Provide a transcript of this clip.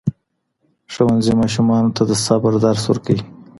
ښوونځي ماشومانو ته د صبر درس ورکوي.